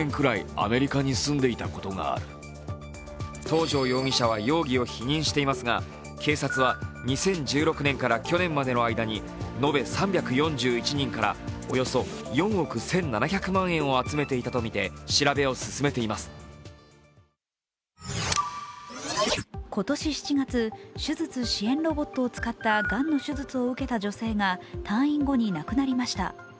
東絛容疑者は容疑を否認していましたが警察は２０１６年から去年までの間に延べ３４１人から、およそ４億１７００万円を集めていたとみて今年７月、手術支援ロボットを使ったがんの手術を受けた女性が退院後に亡くなりました。